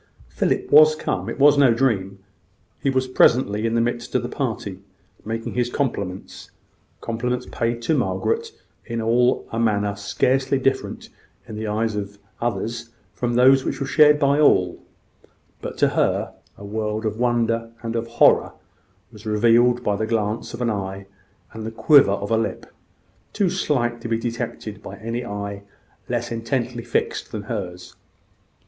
Philip was come it was no dream. He was presently in the midst of the party, making his compliments compliments paid to Margaret in a manner scarcely different in the eyes of others from those which were shared by all: but to her, a world of wonder and of horror was revealed by the glance of the eye and the quiver of the lip, too slight to be detected by any eye less intently fixed than hers.